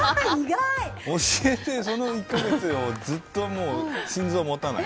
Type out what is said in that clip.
教えて、その１か月をずっともう心臓持たない。